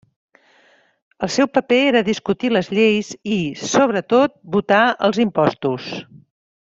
El seu paper era discutir les lleis i, sobretot, votar els impostos.